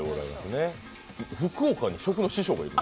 福岡に食の師匠がいる？